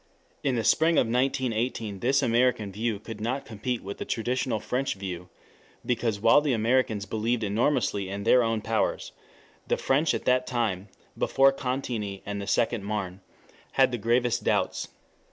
In the spring of 1918 this American view could not compete with the traditional French view, because while the Americans believed enormously in their own powers, the French at that time (before Cantigny and the Second Marne) had the gravest doubts.